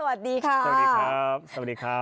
สวัสดีครับสวัสดีครับ